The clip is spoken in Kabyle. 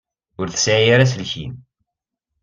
Ur tesɛi ara aselkim.